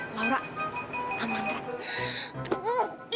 kau mau ke rumah ya